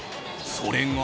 それが。